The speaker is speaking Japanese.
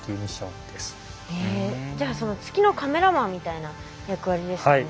へえじゃあ月のカメラマンみたいな役割ですね。